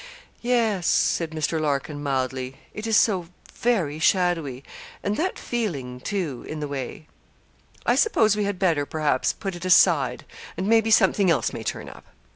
'Yes,' said Mr. Larkin, mildly, 'it is so very shadowy and that feeling, too, in the way. I suppose we had better, perhaps, put it aside, and maybe something else may turn up.'